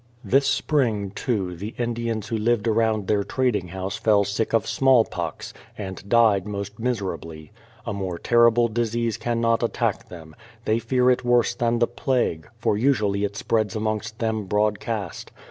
This spring, too, the Indians who lived around their trading house fell sick of small pox, and died most miser ably. A more terrible disease cannot attack them; they fear it worse than the plague, for usually it spreads amongst them broadcast.